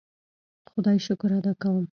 خدای شکر ادا کوم.